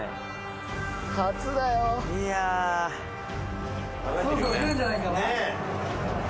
そろそろくるんじゃないかな。